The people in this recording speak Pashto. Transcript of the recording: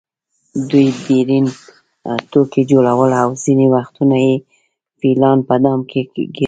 دوی ډبرین توکي جوړول او ځینې وختونه یې فیلان په دام کې ګېرول.